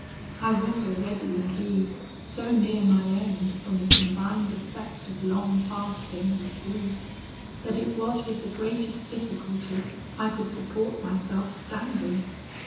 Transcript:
I was already, indeed, so near my end from the combined effect of long fasting and grief, that it was with the greatest difficulty I could support myself standing.